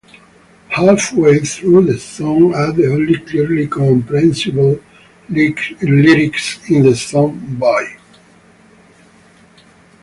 Halfway through the song are the only clearly comprehensible lyrics in the song: Boy!